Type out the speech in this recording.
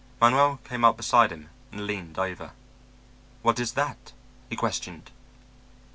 Manuel came up beside him and leaned over. "What is that?" he questioned.